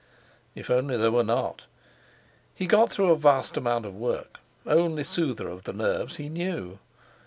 If only there were not! He got through a vast amount of work, only soother of the nerves he knew.